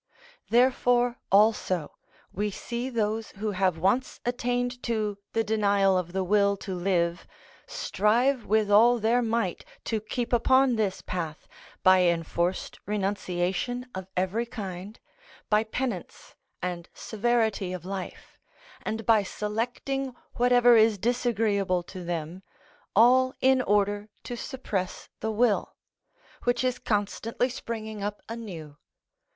Therefore also we see those who have once attained to the denial of the will to live strive with all their might to keep upon this path, by enforced renunciation of every kind, by penance and severity of life, and by selecting whatever is disagreeable to them, all in order to suppress the will, which is constantly springing up anew.